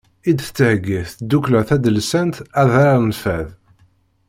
I d-tettheyyi tdukkla tadelsant adrar n fad.